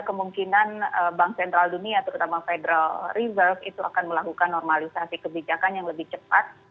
kemungkinan bank sentral dunia terutama federal reserve itu akan melakukan normalisasi kebijakan yang lebih cepat